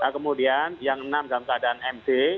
kemudian yang enam dalam keadaan md